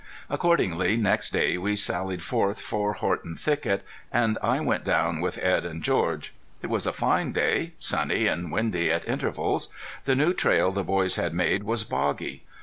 Accordingly next day we sallied forth for Horton Thicket, and I went down with Edd and George. It was a fine day, sunny and windy at intervals. The new trail the boys had made was boggy.